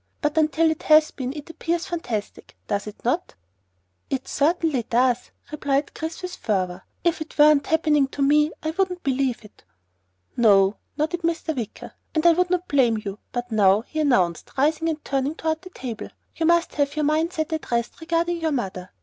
"But until it has been it appears fantastic, does it not?" "It certainly does!" Chris replied with fervor. "If it weren't happening to me I wouldn't believe it!" "No," nodded Mr. Wicker, "and I would not blame you. But now," he announced, rising and turning toward the table, "you must have your mind set at rest regarding your mother."